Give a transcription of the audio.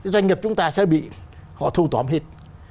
doanh nghiệp chúng ta sẽ bị họ thu tóm hết